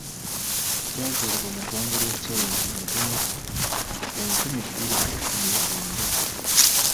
Kyazuulibwa mu ggwanga lya Kyayina mu Ntenvu, enkumi bbiri mu kkumi na mwenda.